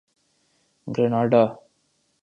Grenada